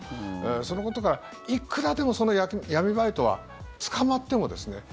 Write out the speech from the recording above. そのことから、いくらでもその闇バイトは捕まってもですね